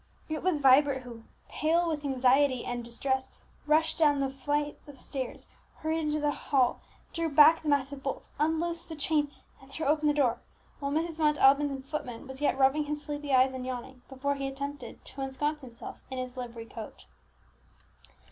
It was Vibert who, pale with anxiety and distress, rushed down the six flights of stairs, hurried into the hall, drew back the massive bolts, unloosed the chain, and threw open the door, while Mrs. Montalban's footman was yet rubbing his sleepy eyes and yawning, before he attempted to ensconce himself in his livery coat.